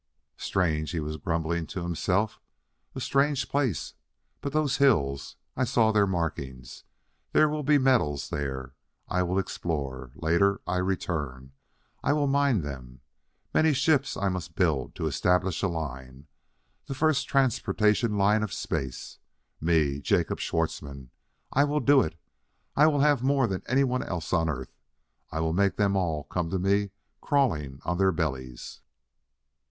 "Strange!" he was grumbling to himself. "A strange place! But those hills I saw their markings there will be metals there. I will explore; later I return: I will mine them. Many ships I must build to establish a line. The first transportation line of space. Me, Jacob Schwartzmann I will do it. I will haff more than anyone else on Earth; I will make them all come to me crawling on their bellies!"